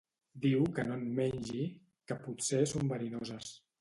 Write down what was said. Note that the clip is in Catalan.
Diu que no en mengi, que potser són verinoses